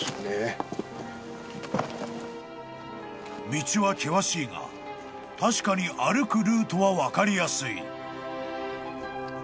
［道は険しいが確かに歩くルートは分かりやすい］